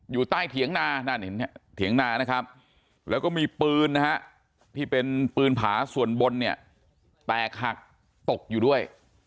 อยู่ใต้เถียงนานั่นเถียงนานะครับแล้วก็มีปืนนะฮะที่เป็นปืนผาส่วนบนเนี่ยแตกหักตกอยู่ด้วย